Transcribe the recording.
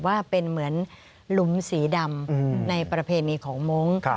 ว่าเป็นเหมือนหลุมสีดำในประเพณีของมงค์